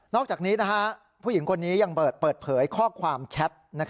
อกจากนี้ผู้หญิงคนนี้ยังเปิดเผยข้อความแชท